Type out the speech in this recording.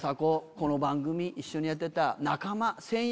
この番組一緒にやってた仲間戦友。